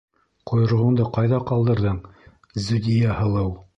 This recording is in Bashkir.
- Ҡойроғоңдо ҡайҙа ҡалдырҙың, Зүдиә һылыу?